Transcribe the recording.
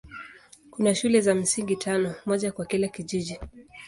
Kuna shule za msingi tano, moja kwa kila kijiji.